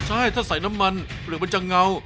ใช่ถ้าใส่น้ำมันเปลือกมันจะเงา